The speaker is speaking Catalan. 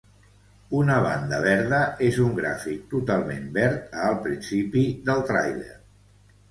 Una "banda verda" és un gràfic totalment verd a el principi del tràiler.